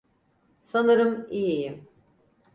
Sanırım iyiyim.